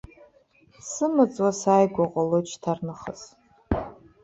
Сымаҵ уа, сааигәа уҟалоит шьҭарнахыс.